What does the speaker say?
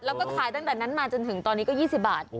แล้วก็ขายตั้งแต่นั้นมาจนถึงตอนนี้ก็๒๐บาท